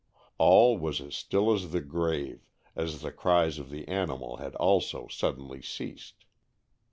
All was as still as the grave, as the cries of the animal had also sud denly ceased.